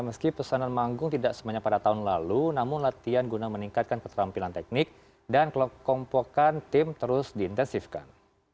meski pesanan manggung tidak semuanya pada tahun lalu namun latihan guna meningkatkan keterampilan teknik dan kelompokkan tim terus diintensifkan